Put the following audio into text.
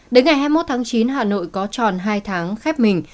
đến ngày hai mươi một tháng chín hà nội có tròn hai tháng khép mình